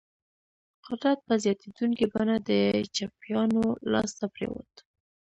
قدرت په زیاتېدونکي بڼه د چپیانو لاس ته پرېوت.